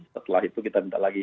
setelah itu kita minta lagi